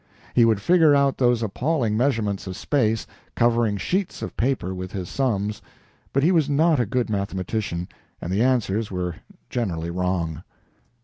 He would figure out those appalling measurements of space, covering sheets of paper with his sums, but he was not a good mathematician, and the answers were generally wrong.